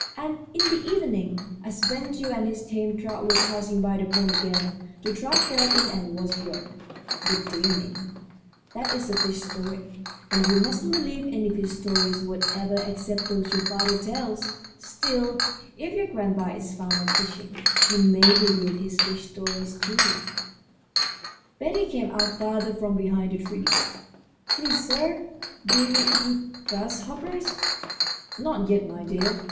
And in the evening, as Ben Gile and his tame trout were passing by the pond again, the trout fell in and was drowned. But, dear me, that is a fish story, and you mustn't believe any fish stories whatever except those your father tells! Still, if your grandpa is fond of fishing, you may believe his fish stories, too. [Illustration: A. A locust. B. Cast off skin of a young locust.] Betty came out farther from behind the tree. "Please, sir, do you eat grasshoppers?" "Not yet, my dear."